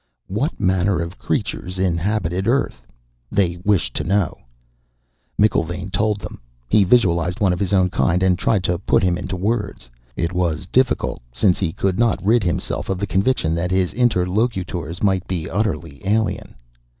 What manner of creatures inhabited Earth? they wished to know. McIlvaine told them. He visualized one of his own kind and tried to put him into words. It was difficult, since he could not rid himself of the conviction that his interlocutors might be utterly alien.